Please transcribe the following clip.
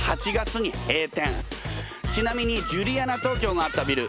ちなみにジュリアナ東京があったビル